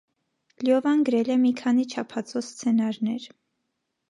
Լյովան գրել է մի քանի չափածո սցենարներ։